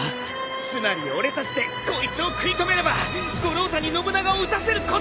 つまり俺たちでこいつを食い止めれば五郎太に信長を討たせることが。